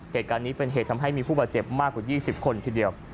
เหตุการณ์นี้เป็นเหตุทำให้มีผู้บาดเจ็บมากกว่า๒๐คนทีเดียว